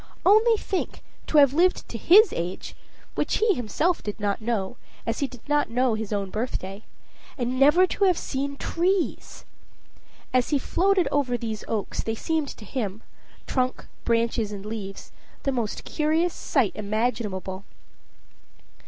Only think, to have lived to his age (which he himself did not know, as he did not know his own birthday) and never to have seen trees! As he floated over these oaks, they seemed to him trunk, branches, and leaves the most curious sight imaginable.